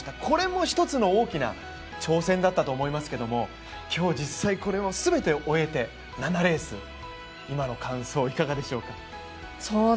これも一つ、大きな挑戦だったと思いますけど今日、実際これを全て終えて、７レース、今の感想、いかがでしょうか？